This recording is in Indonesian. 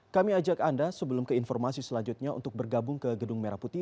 kami ajak anda sebelum ke informasi selanjutnya untuk bergabung ke gedung merah putih